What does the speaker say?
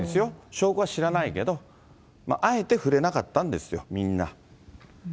証拠は知らないけど、あえて触れなかったんですよ、みんな。